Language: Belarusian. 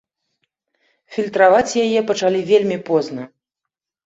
Фільтраваць яе пачалі вельмі позна.